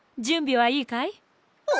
はい！